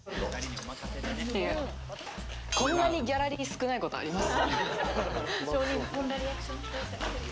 こんなにギャラリー少ないことあります？